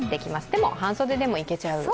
でも、半袖でもいけちゃう？